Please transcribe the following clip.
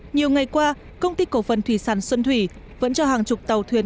nhiều ngày qua công ty cổ phần thủy sản xuân thủy vẫn cho hàng chục tàu thuyền